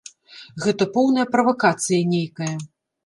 Гэта поўная правакацыя нейкая.